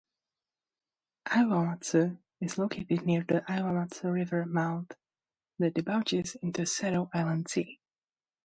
Iwamatsu is located near the Iwamatsu River mouth that debouches into Seto Inland Sea.